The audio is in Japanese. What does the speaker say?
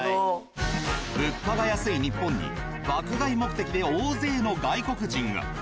物価が安い日本に爆買い目的で大勢の外国人が。